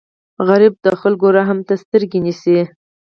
سوالګر د خلکو رحم ته سترګې نیسي